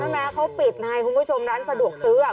ใช่มั้ยเขาปิดไงคุณผู้ชมร้านสะดวกซื้ออะ